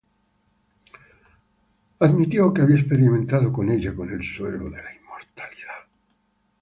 Admitió que había experimentado con ella con el suero de la inmortalidad.